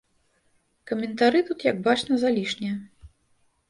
Каментары тут, як бачна, залішнія.